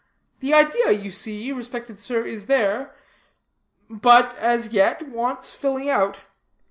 The idea, you see, respected sir, is there; but, as yet, wants filling out.